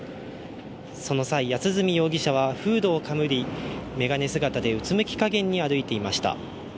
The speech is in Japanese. その際、安栖容疑者はフードをかぶり、眼鏡姿でうつむきかげんに歩いていました。